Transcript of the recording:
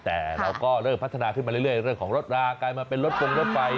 แต่เราก็เริ่มพัฒนาขึ้นมาเรื่อยเรื่องของรถรากลายมาเป็นรถฟงรถไฟ